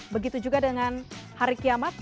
begitu juga dengan hari kiamat